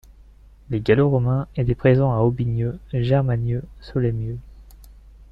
Les Gallo-Romains étaient présents à Aubigneux, Germagneux, Soleymieux.